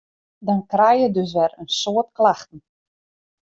Dan krije je dus wer in soad klachten.